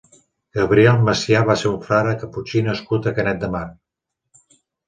Gabriel Macià va ser un frare caputxí nascut a Canet de Mar.